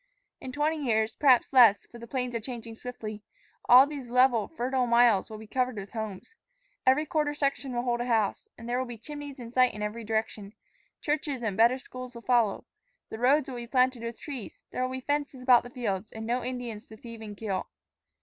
In twenty years perhaps less, for the plains are changing swiftly all these level, fertile miles will be covered with homes. Every quarter section will hold a house, and there will be chimneys in sight in every direction. Churches and better schools will follow. The roads will be planted with trees. There will be fences about the fields, and no Indians to thieve and kill.